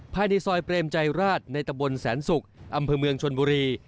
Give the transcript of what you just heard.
ภายในซอยเปรมใจราชในตะบนแสนศุกร์อำเภอเมืองชนบุรี